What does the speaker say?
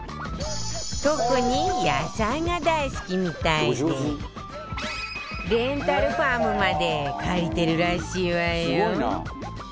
特に野菜が大好きみたいでレンタルファームまで借りてるらしいわよ